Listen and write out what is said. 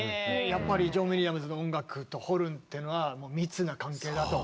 やっぱりジョン・ウィリアムズの音楽とホルンっていうのは密な関係だと？